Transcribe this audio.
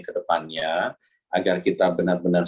ke depannya agar kita benar benar